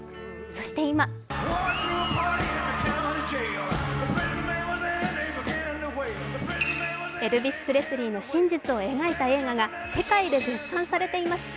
そして今エルヴィス・プレスリーの真実を描いた映画が世界で絶賛されています。